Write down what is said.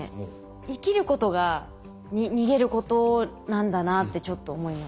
生きることが逃げることなんだなってちょっと思いました。